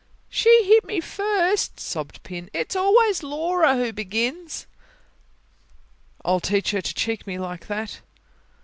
"She hit me first," sobbed Pin. "It's always Laura who begins." "I'll teach her to cheek me like that!"